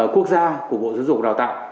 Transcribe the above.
quốc gia của bộ dân dụng đào tạo